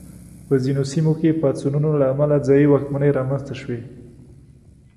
په ځینو سیمو کې پاڅونونو له امله ځايي واکمنۍ رامنځته شوې.